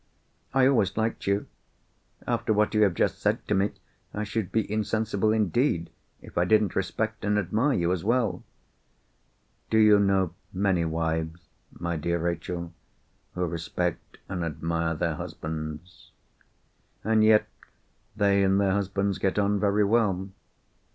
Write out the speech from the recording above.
I always liked you. After what you have just said to me, I should be insensible indeed if I didn't respect and admire you as well." "Do you know many wives, my dear Rachel, who respect and admire their husbands? And yet they and their husbands get on very well.